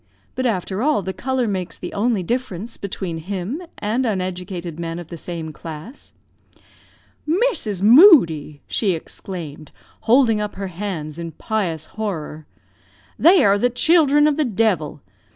But, after all, the colour makes the only difference between him and uneducated men of the same class." "Mrs. Moodie!" she exclaimed, holding up her hands in pious horror; "they are the children of the devil!